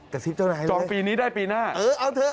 ซิบเจ้านายจองปีนี้ได้ปีหน้าเออเอาเถอะ